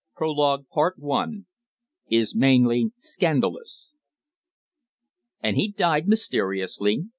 PROLOGUE I IS MAINLY SCANDALOUS "And he died mysteriously?"